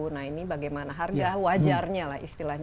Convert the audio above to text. nah ini bagaimana harga wajarnya lah istilahnya